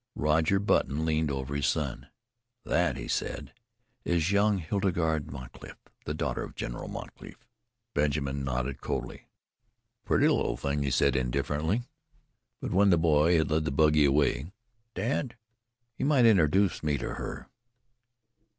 Roger Button leaned over to his son. "That," he said, "is young Hildegarde Moncrief, the daughter of General Moncrief." Benjamin nodded coldly. "Pretty little thing," he said indifferently. But when the negro boy had led the buggy away, he added: "Dad, you might introduce me to her."